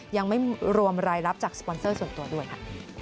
ยังไม่รวมรายรับจากสปอนเซอร์ส่วนตัวด้วยค่ะ